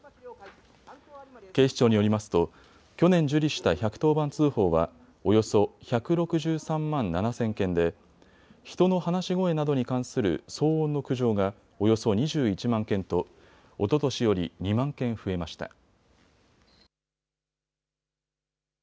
警視庁によりますと去年受理した１１０番通報はおよそ１６３万７０００件で人の話し声などに関する騒音の苦情がおよそ２１万件とおととしより２万件増えました。